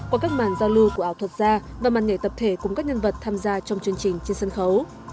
qua các màn giao lưu của ảo thuật gia và màn nhảy tập thể cùng các nhân vật tham gia trong chương trình trên sân khấu